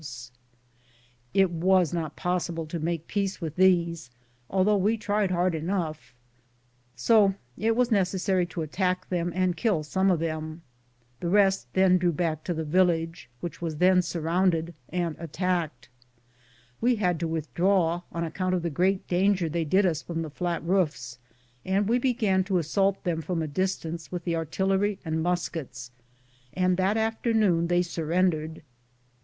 IDS am Google THE JOTJRNET OP CORONADO It was not possible to make peace with these, although we tried hard enough, so it was necessary to attack them and kill some of them. The rest then drew back to the village, which was then surrounded and at tacked. We had to withdraw, on account of the great damage they did us from the fiat roofs, and we began to assault them from a distance with the artillery and muskets, and that afternoon they surrendered.